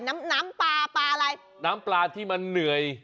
น้ำปลาที่มันเหนื่อย